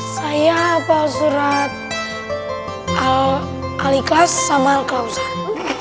saya hafal surat al ikhlas sama al khawthar